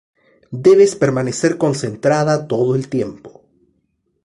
Debes permanecer concentrada todo el tiempo.